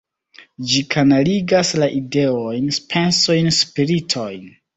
Ĝi kanaligas la ideojn, pensojn, spiritojn.